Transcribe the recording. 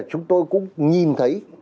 chúng tôi cũng nhìn thấy